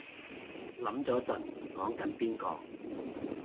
諗咗陣講緊邊個